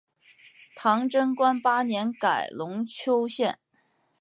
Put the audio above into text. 唐贞观八年改龙丘县。